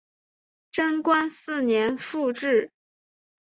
贞观四年复置。